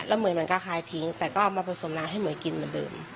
เหมือนมันก็คล้ายทิ้งแต่ก็เอามาผสมน้ำให้เหมือนกินเหมือนเดิม